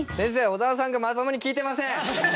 小沢さんがまともに聞いてません！